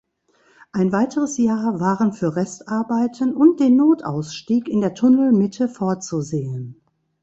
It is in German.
Ein weiteres Jahr waren für Restarbeiten und den Notausstieg in der Tunnelmitte vorzusehen.